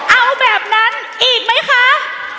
เอาแบบนั้นอีกไหมคะ